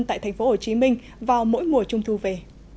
tại tp hcm vào mỗi mùa trung thu về